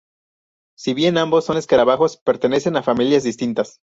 Si bien ambos son escarabajos, pertenecen a familias distintas.